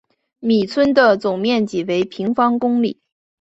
米村的总面积为平方公里。